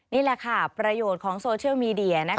นี่แหละค่ะประโยชน์ของโซเชียลมีเดีย